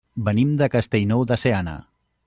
Venim de Castellnou de Seana.